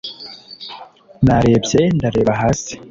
narebye ndareba hasi